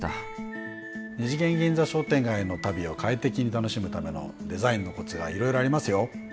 二次元銀座商店街の旅を快適に楽しむためのデザインのコツがいろいろありますよ。